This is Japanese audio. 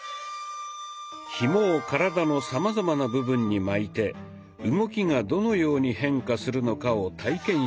ひもを体のさまざまな部分に巻いて動きがどのように変化するのかを体験していきます。